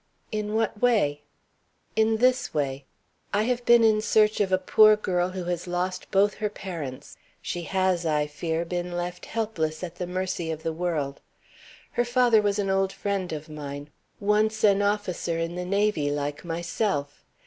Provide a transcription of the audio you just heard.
"In what way?" "In this way. I have been in search of a poor girl who has lost both her parents: she has, I fear, been left helpless at the mercy of the world. Her father was an old friend of mine once an officer in the Navy like myself.